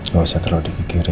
gak usah terlalu digigiri